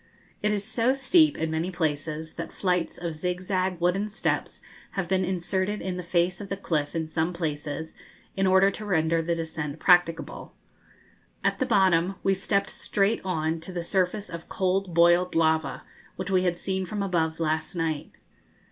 It is so steep in many places that flights of zig zag wooden steps have been inserted in the face of the cliff in some places, in order to render the descent practicable. At the bottom we stepped straight on to the surface of cold boiled lava, which we had seen from above last night.